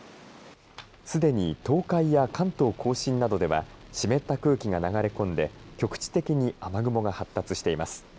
すでに東海や関東甲信などでは湿った空気が流れ込んで局地的に雨雲が発達しています。